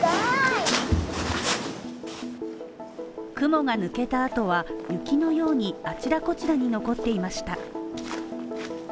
雲が抜けた後は雪のようにあちらこちらに残っていました。